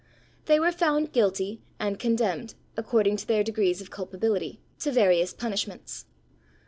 They were found guilty, and condemned, according to their degrees of culpability, to various punishments.